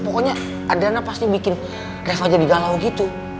pokoknya adriana pasti bikin reva jadi galau gitu